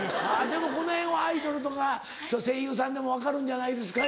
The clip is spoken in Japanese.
でもこのへんはアイドルとか声優さんでも分かるんじゃないですか？